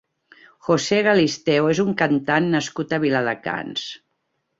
José Galisteo és un cantant nascut a Viladecans.